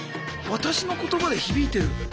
私の言葉で響いてる。